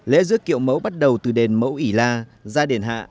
lễ giữa kiệu mẫu bắt đầu từ đền mẫu ỉ la ra đền hạ